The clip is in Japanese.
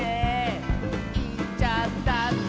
「いっちゃったんだ」